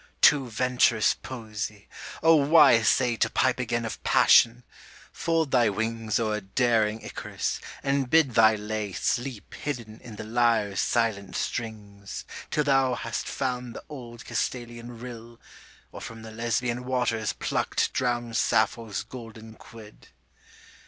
Too venturous poesy, O why essay To pipe again of passion! fold thy wings O'er daring Icarus and bid thy lay Sleep hidden in the lyre's silent strings Till thou hast found the old Castalian rill, Or from the Lesbian waters plucked drowned Sappho's golden quid!